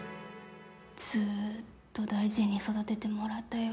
ずっと大事に育ててもらったよ。